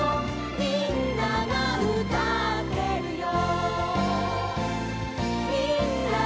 「みんながうたってるよ」